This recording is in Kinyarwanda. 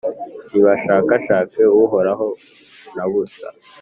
ntibashakashake Uhoraho na busa